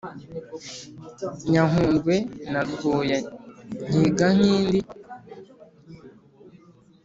nyankurwe na rwuya-nkiga nkindi